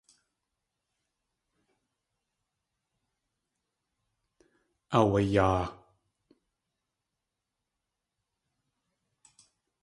Aawayaa.